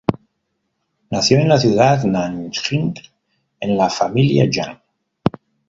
Nació en la ciudad Nanjing en la familia Yang.